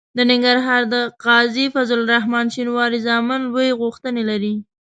د ننګرهار د قاضي فضل الرحمن شینواري زامن لویې غوښتنې لري.